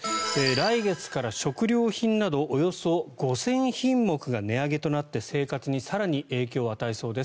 来月から食料品などおよそ５０００品目が値上げとなって生活に更に影響を与えそうです。